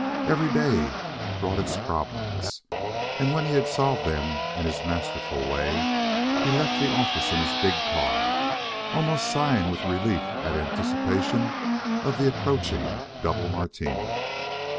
Every day brought its problems, and when he had solved them in his masterful way, he left the office in his big car, almost sighing with relief at anticipation of the approaching double Martini.